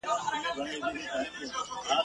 ړنګه بنګه یې لړۍ سوه د خیالونو ..